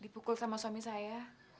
dipukul sama suami saya